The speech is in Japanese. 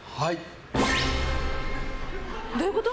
どういうこと？